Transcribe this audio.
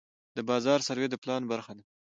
د بازار سروې د پلان برخه ده.